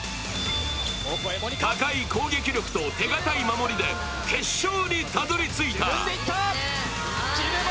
高い攻撃力と手堅い守りで決勝にたどりついた。